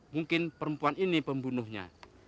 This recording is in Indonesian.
mungkin perempuan ini pembunuhnya